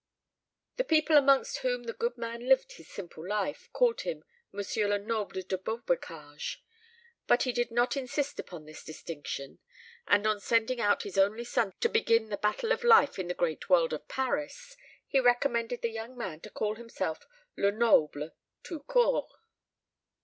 The people amongst whom the good man lived his simple life called him M. Lenoble de Beaubocage, but he did not insist upon this distinction; and on sending out his only son to begin the battle of life in the great world of Paris, he recommended the young man to call himself Lenoble, tout court.